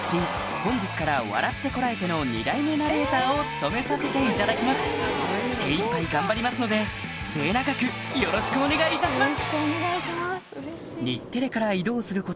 本日から『笑ってコラえて！』の２代目ナレーターを務めさせていただきます精いっぱい頑張りますので末永くよろしくお願いいたします！